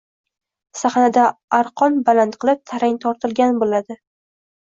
Sahnada arqon baland qilib, tarang tortilgan boʻladi.